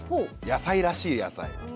野菜らしい野菜。